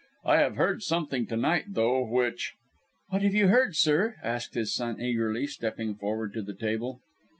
I have heard something, to night, though, which " "What have you heard, sir?" asked his son eagerly, stepping forward to the table.